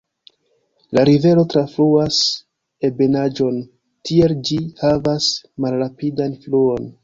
La rivero trafluas ebenaĵon, tiel ĝi havas malrapidan fluon.